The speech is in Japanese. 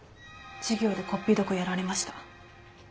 授業でこっぴどくやられました。